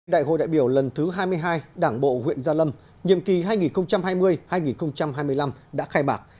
đại hội đại biểu lần thứ hai mươi hai đảng bộ huyện gia lâm nhiệm kỳ hai nghìn hai mươi hai nghìn hai mươi năm đã khai mạc